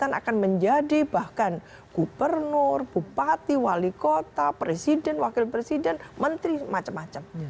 yang akan menjadi bahkan gubernur bupati wali kota presiden wakil presiden menteri macam macam